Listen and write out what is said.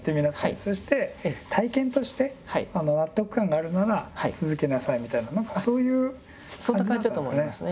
そして体験として納得感があるなら続けなさいみたいな何かそういう感じだったんですかね。